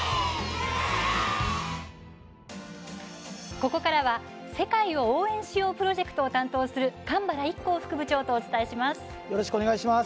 ここからは「世界を応援しよう！」プロジェクトを担当する神原一光副部長とお伝えします。